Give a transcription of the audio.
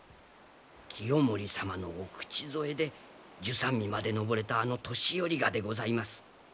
清盛様のお口添えで従三位まで登れたあの年寄りがでございます。